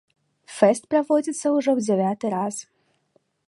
Фэст праводзіцца ўжо ў дзявяты раз.